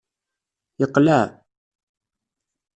Yeqleɛ.